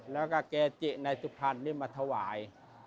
แล้วก็เกจิในสุพรรณนี่มาถวาย